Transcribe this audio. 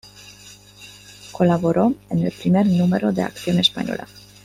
Colaboró en el primer número de "Acción Española".